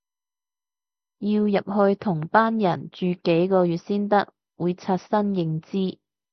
要入去同班人住幾個月先得，會刷新認知